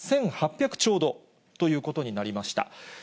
１８００ちょうどということになりました。